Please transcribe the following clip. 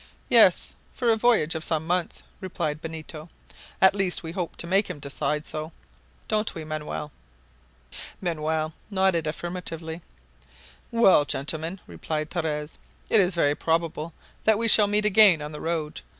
"Yes, for a voyage of some months," replied Benito. "At least we hope to make him decide so. Don't we, Manoel?" Manoel nodded affirmatively. "Well, gentlemen," replied Torres, "it is very probable that we shall meet again on the road.